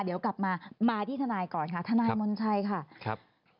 เดี๋ยวกลับมามาที่ทนายก่อนค่ะทนายมนชัยค่ะครับ